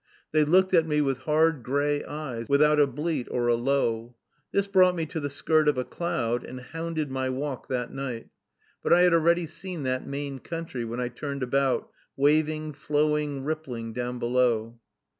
They looked at me with hard gray eyes, without a bleat or a low. This brought me to the skirt of a cloud, and bounded my walk that night. But I had already seen that Maine country when I turned about, waving, flowing, rippling, down below.